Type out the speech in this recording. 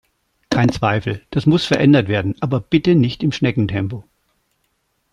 Kein Zweifel, das muss verändert werden, aber bitte nicht im Schneckentempo.